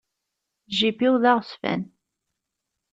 Jip-iw d aɣezfan.